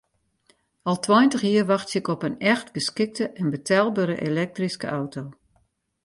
Al tweintich jier wachtsje ik op in echt geskikte en betelbere elektryske auto.